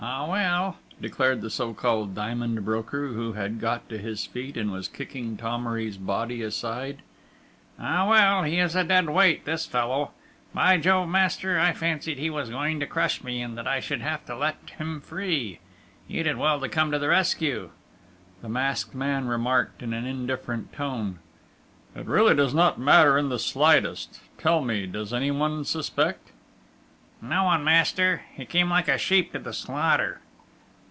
"Ah, well!" declared the so called diamond broker, who had got to his feet and was kicking Thomery's body aside. "Ah, well, he is a dead weight this fellow!... By Jove, master, I fancied he was going to crush me, and that I should have to let him free!... You did well to come to the rescue!" The masked man remarked in an indifferent tone: "It really does not matter in the slightest!... Tell me, does anyone suspect?" "No one, master. He came like a sheep to the slaughter."